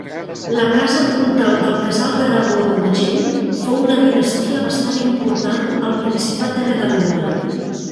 La casa comtal del Casal d'Aragó-Urgell fou una dinastia bastant important al Principat de Catalunya.